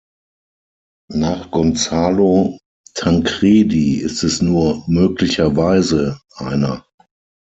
Nach Gonzalo Tancredi ist es nur "möglicherweise" einer.